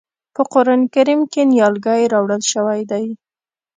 په قرآن کریم کې نیالګی راوړل شوی دی.